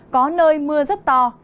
có nơi mưa rất to